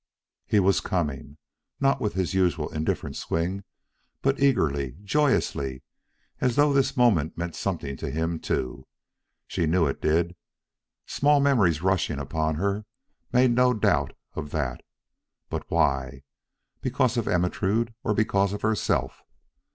He was coming not with his usual indifferent swing, but eagerly, joyously, as though this moment meant something to him too. She knew it did. Small memories rushing upon her, made no doubt of that. But why? Because of Ermentrude or because of herself?